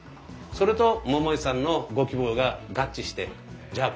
それと桃井さんのご希望が合致してじゃあ